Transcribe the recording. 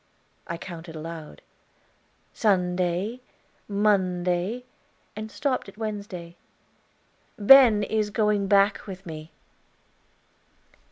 I counted aloud, "Sunday Monday," and stopped at Wednesday. "Ben is going back with me."